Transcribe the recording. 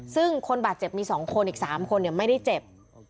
ซึ่งคนบาดเจ็บมี๒คนอีก๓คนไม่ได้เจ็บ